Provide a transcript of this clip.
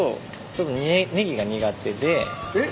えっ？